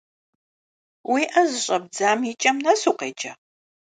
Уи ӏэ зыщӏэбдзам и кӏэм нэс укъеджа?